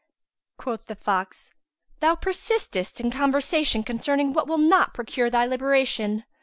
Quoth the fox, "Thou persistest in conversation concerning what will not procure thy liberation.